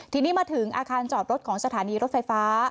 ทีนี้มาถึงอาคารจอดรถของสถานีรถไฟฟ้า